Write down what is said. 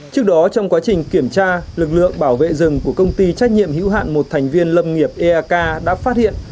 trước đó trong quá trình kiểm tra lực lượng bảo vệ rừng của công ty trách nhiệm hữu hạn một thành viên lâm nghiệp eak đã phát hiện